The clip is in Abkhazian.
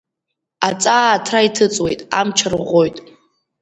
Аҵаа аҭра иҭыҵуеит, амч арӷәӷәоит.